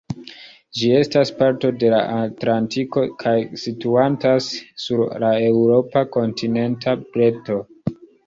Ĝi estas parto de la Atlantiko kaj situantas sur la eŭropa kontinenta breto.